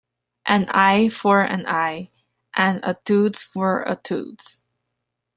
An eye for an eye and a tooth for a tooth.